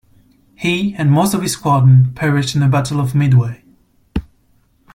He and most of his squadron perished in the Battle of Midway.